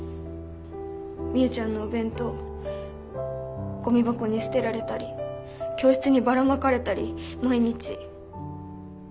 みゆちゃんのお弁当ゴミ箱に捨てられたり教室にばらまかれたり毎日。